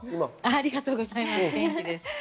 ありがとうございます。